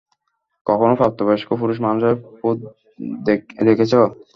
কখনও প্রাপ্ত বয়স্ক পুরুষ মানুষের পোদ দেখেছ?